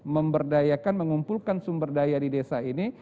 memberdayakan mengumpulkan sumber daya di desa ini